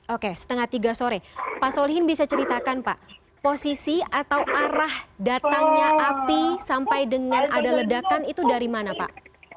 oke setengah tiga sore pak solihin bisa ceritakan pak posisi atau arah datangnya api sampai dengan ada ledakan itu dari mana pak